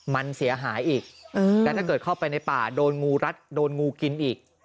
มันเสียหายอีกแล้วถ้าเกิดเข้าไปในป่าโดนงูรัดโดนงูกินอีก